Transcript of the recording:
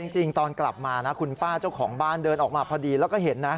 จริงตอนกลับมานะคุณป้าเจ้าของบ้านเดินออกมาพอดีแล้วก็เห็นนะ